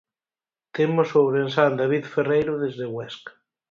Temos o ourensán David Ferreiro desde Huesca.